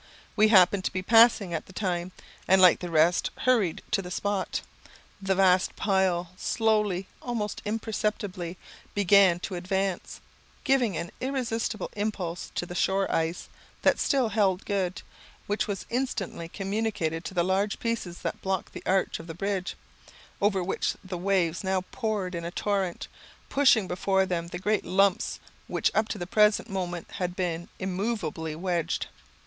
We happened to be passing at the time, and, like the rest, hurried to the spot. The vast pile, slowly, almost imperceptibly, began to advance, giving an irresistible impulse to the shore ice, that still held good, and which was instantly communicated to the large pieces that blocked the arch of the bridge, over which the waves now poured in a torrent, pushing before them the great lumps which up to the present moment had been immoveably wedged.